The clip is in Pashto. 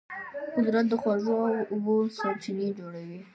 قدرت د خوږو اوبو سرچینې جوړوي.